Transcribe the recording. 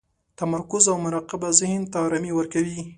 تمرکز او مراقبه ذهن ته ارامي ورکوي.